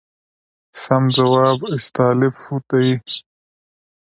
سم ځواب استالف دی.